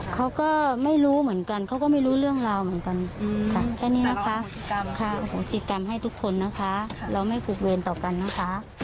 เขาก็ไม่รู้เหมือนกันเขาก็ไม่รู้เรื่องราวเหมือนกันค่ะแค่นี้นะคะค่ะอโหสิกรรมให้ทุกคนนะคะเราไม่ผูกเวรต่อกันนะคะ